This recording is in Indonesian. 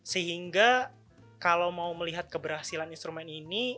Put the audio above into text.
sehingga kalau mau melihat keberhasilan instrumen ini